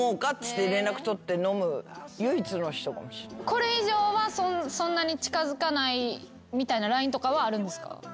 これ以上はそんなに近づかないみたいなラインとかはあるんですか？